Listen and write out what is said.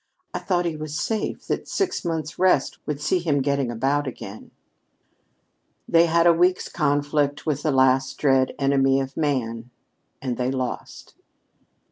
"I thought he was safe that six months' rest would see him getting about again." They had a week's conflict with the last dread enemy of man, and they lost. Dr.